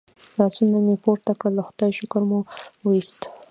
لاسونه مې پورته کړل د خدای شکر مو وایست.